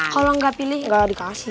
kalau nggak pilih nggak dikasih